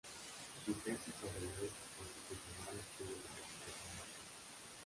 Su tesis sobre Ley Constitucional obtuvo la calificación máxima.